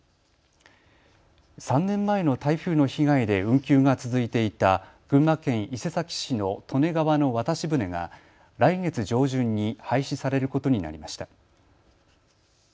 ３年前の台風の被害で運休が続いていた群馬県伊勢崎市の利根川の渡し船が来月上旬に廃止されることになりました。